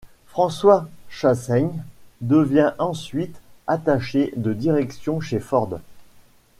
François Chasseigne devient ensuite attaché de direction chez Ford.